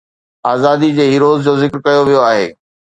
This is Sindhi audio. آزادي جي هيروز جو ذڪر ڪيو ويو آهي